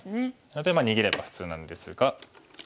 なので逃げれば普通なんですが。